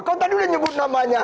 kan tadi udah nyebut namanya